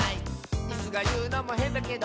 「イスがいうのもへんだけど」